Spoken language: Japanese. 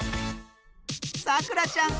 さくらちゃん